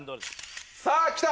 さぁきた！